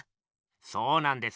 そうなんです。